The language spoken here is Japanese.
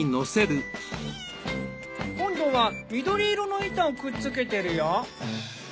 今度は緑色の板をくっつけてるよ。